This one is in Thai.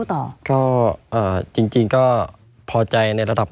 ไม่มีครับไม่มีครับ